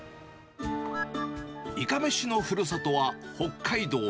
いかめしのふるさとは、北海道。